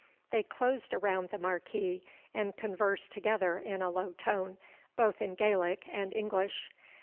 They closed around the Marquis, and conversed together in a low tone, both in Gaelic and English.